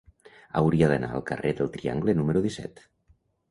Hauria d'anar al carrer del Triangle número disset.